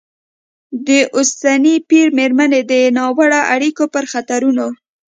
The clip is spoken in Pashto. د اوسني پېر مېرمنې د ناوړه اړیکو پر خطرونو